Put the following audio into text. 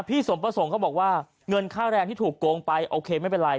สมประสงค์เขาบอกว่าเงินค่าแรงที่ถูกโกงไปโอเคไม่เป็นไร